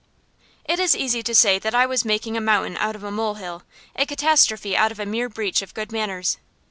It is easy to say that I was making a mountain out of a mole hill, a catastrophe out of a mere breach of good manners.